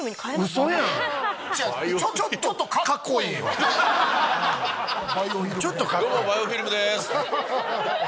ウソやん⁉バイオフィルムです。